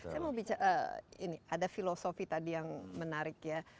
saya mau bicara ini ada filosofi tadi yang menarik ya